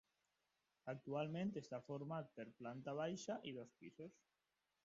Actualment està format per planta baixa i dos pisos.